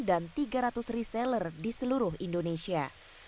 dan tiga ratus reseller di seluruh indonesia